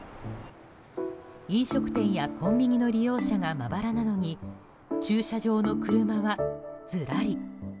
飲食店やコンビニの利用者がまばらなのに駐車場の車は、ずらり。